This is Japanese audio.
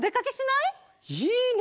いいね！